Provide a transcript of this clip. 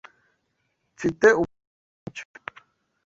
Mfite umuti wibyo.